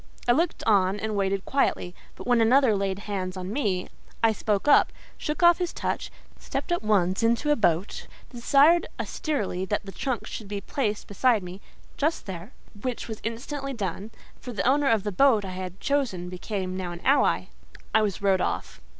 I looked on and waited quietly; but when another laid hands on me, I spoke up, shook off his touch, stepped at once into a boat, desired austerely that the trunk should be placed beside me—"Just there,"—which was instantly done; for the owner of the boat I had chosen became now an ally: I was rowed off.